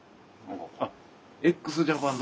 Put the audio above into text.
あっＸＪＡＰＡＮ